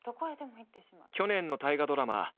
去年の大河ドラマ